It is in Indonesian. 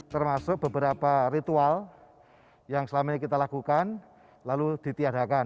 termasuk beberapa ritual yang selama ini kita lakukan lalu ditiadakan